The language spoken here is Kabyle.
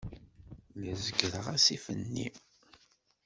La zeggreɣ asif-nni.